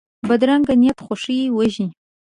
بدرنګه نیت خوښي وژني